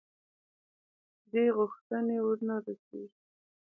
دې غوښتنې ورنه رسېږو.